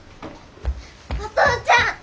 お父ちゃん！